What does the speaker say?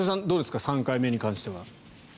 どうですか３回目に関しては。